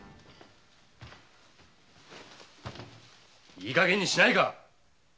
いいかげんにしないか！